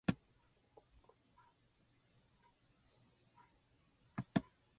Interiors were filmed at Elstree Film Studios.